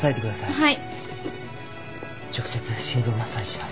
はい。